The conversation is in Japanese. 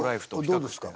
どうですか？